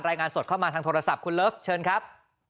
รายงานสดเข้ามาทางโทรศัพท์คุณเลิฟเชิญครับ